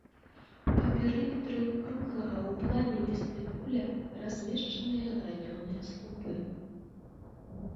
Па перыметры круглага ў плане вестыбюля размешчаныя гранёныя слупы.